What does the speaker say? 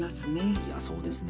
いや、そうですね。